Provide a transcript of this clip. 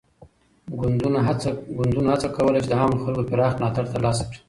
ګوندونو هڅه کوله چي د عامو خلګو پراخ ملاتړ ترلاسه کړي.